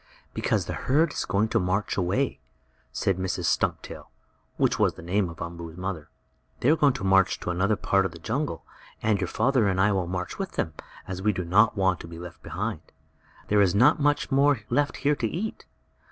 "Because the herd is going to march away," said Mrs. Stumptail, which was the name of Umboo's mother. "They are going to march to another part of the jungle, and your father and I will march with them, as we do not want to be left behind. There is not much more left here to eat.